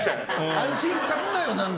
安心さすなよ。